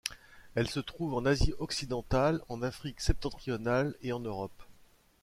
Elle se trouve en Asie occidentale, en Afrique septentrionale et en Europe.